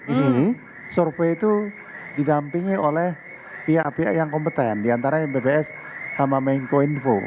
ini survei itu didampingi oleh pihak pihak yang kompeten diantara bps sama menko info